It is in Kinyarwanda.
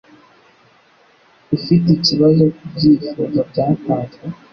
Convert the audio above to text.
Ufite ikibazo kubyifuzo byatanzwe?